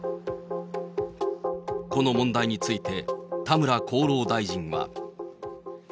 この問題について、田村厚労大臣は。